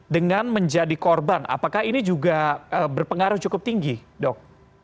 dengan menjadi korban apakah ini juga berpengaruh cukup tinggi dok